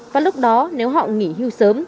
và lúc đó nếu họ nghỉ hưu sớm